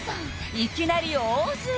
いきなり大ズレ